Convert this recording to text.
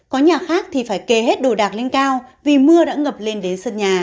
có nhà khác thì phải kề hết đồ đạc lên cao vì mưa đã ngập lên đến sân nhà